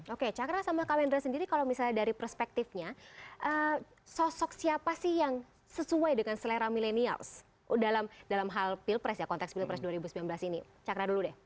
oke cakra sama kak wendra sendiri kalau misalnya dari perspektifnya sosok siapa sih yang sesuai dengan selera milenial dalam hal pilpres ya konteks pilpres dua ribu sembilan belas ini cakra dulu deh